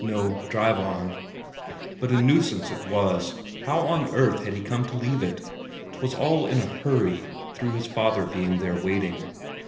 "No; drive on." But a nuisance it was; how on earth had he come to leave it? 'Twas all in a hurry, through his father being there waiting.